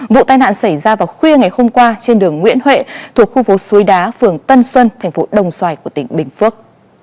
vụ tai nạn xảy ra vào khuya ngày hôm qua trên đường nguyễn huệ thuộc khu phố suối đá phường tân xuân tp đồng xoài tỉnh bình phước